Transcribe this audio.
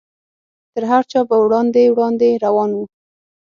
تر هر چا به وړاندې وړاندې روان و.